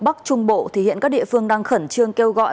bắc trung bộ thì hiện các địa phương đang khẩn trương kêu gọi